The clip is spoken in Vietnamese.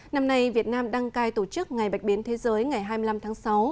năm nay việt nam đăng cai tổ chức ngày bạch biến thế giới ngày hai mươi năm tháng sáu